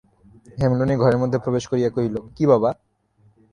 হেমনলিনী ঘরের মধ্যে প্রবেশ করিয়া কহিল, কী বাবা?